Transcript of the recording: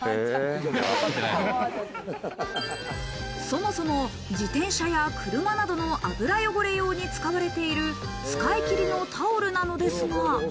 そもそも自転車や車などの油汚れ用に使われている使いきりのタオルなのですが。